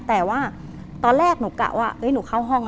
แต่ว่าตอนแรกหนูกะว่าหนูเข้าห้อง